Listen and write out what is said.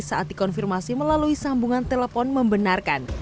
saat dikonfirmasi melalui sambungan telepon membenarkan